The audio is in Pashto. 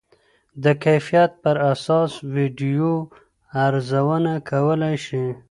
د کیفیت پر اساس ویډیو ارزونه کولی شئ.